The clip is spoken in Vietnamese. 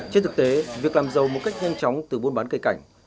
trên thực tế việc làm giàu một cách nhanh chóng từ buôn bán cây cảnh